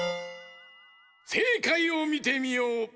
せいかいをみてみよう！